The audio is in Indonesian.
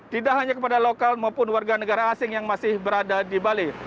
tidak hanya kepada lokal maupun warga negara asing yang masih berada di bali